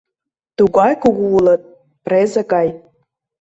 Тугай кугу улыт — презе гай.